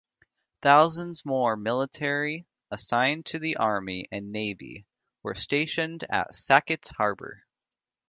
Thousands more military assigned to the Army and Navy were stationed at Sackets Harbor.